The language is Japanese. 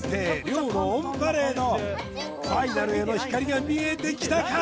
「良」のオンパレードファイナルへの光が見えてきたか？